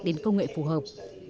đến công nghệ phù hợp